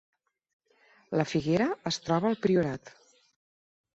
La Figuera es troba al Priorat